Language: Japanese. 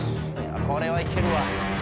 これはいけるわ。